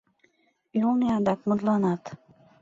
Ӱлнӧ адак мутланат: